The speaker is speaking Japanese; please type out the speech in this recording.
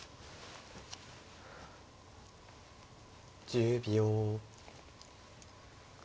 １０秒。